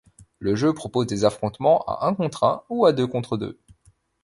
Le jeu propose des affrontements à un contre un ou à deux contre deux.